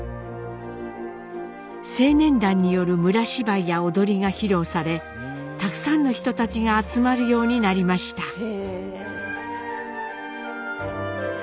青年団による村芝居や踊りが披露されたくさんの人たちが集まるようになりました。